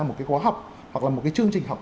một cái khóa học hoặc là một cái chương trình học